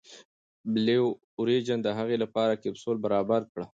بلو اوریجن د هغې لپاره کپسول برابر کړ.